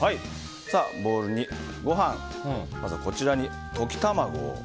ボウルにご飯まずこちらに溶き卵を。